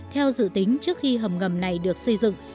theo dự tính trước khi hầm ngầm này được xây dựng